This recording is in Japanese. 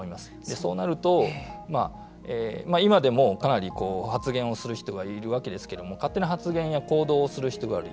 そうなると、今でもかなり発言をする人がいるわけですけれども勝手に発言や行動をする人がある。